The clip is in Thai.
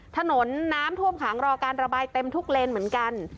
ถนนน้ำท่วมขังรอการระบายเต็มทุกเลนเหมือนกัน